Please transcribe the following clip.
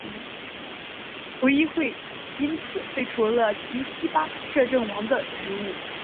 葡议会因此废黜了其巴西摄政王的职务。